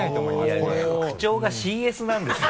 いやでも口調がＣＳなんですよ。